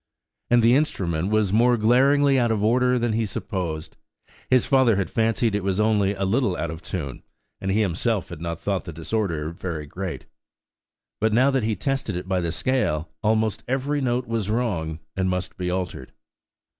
And the instrument was more glaringly out of order than he supposed. His father had fancied it was only a little out of tune, and he himself had not thought the disorder very great. But now that he tested it by the scale, almost every note was wrong, and must be altered.